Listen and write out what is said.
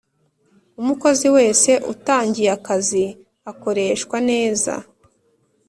Umukozi wese utangiye akazi akoreshwa neza